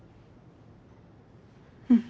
うん。